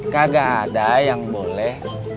kagak ada yang boleh